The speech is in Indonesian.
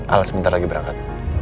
al sebentar lagi berangkat